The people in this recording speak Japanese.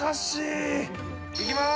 行きます！